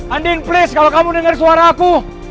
andin please kalau kamu dengar suara aku